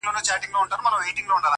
زۀ چې په خپلو فن پارو کښې